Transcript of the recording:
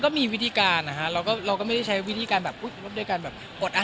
แต่มันจะส่งคุณชีพกับคนอ้วนได้หรือเปล่า